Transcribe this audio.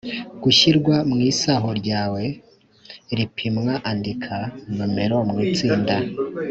gushyirwa mu isaho ryawe ripimwa Andika nomero mu itsinda